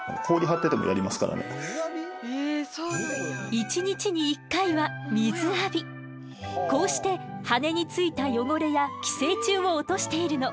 一日に１回はこうして羽についた汚れや寄生虫を落としているの。